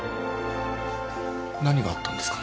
何があったんですか？